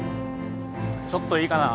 ちょっといいかな。